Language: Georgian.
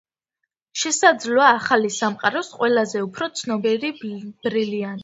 შესაძლოა, ახალი სამყაროს ყველაზე უფრო ცნობილი ბრილიანტი.